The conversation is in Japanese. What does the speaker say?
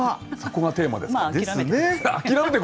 そこがテーマですから。